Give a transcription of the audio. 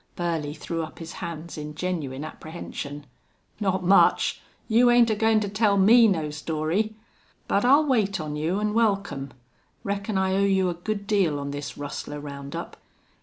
Burley threw up his hands in genuine apprehension. "Not much! You ain't agoin' to tell me no story!... But I'll wait on you, an' welcome. Reckon I owe you a good deal on this rustler round up.